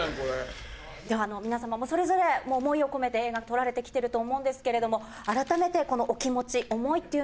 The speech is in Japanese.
では皆様それぞれの思いを込めて映画撮られて来てると思うんですけれども改めてこのお気持ち。